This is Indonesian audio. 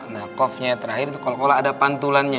nah kofnya terakhir itu kol kolah ada pantulannya